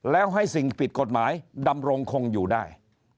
แล้วให้สิ่งผิดกฎหมายดำรงคงอยู่ได้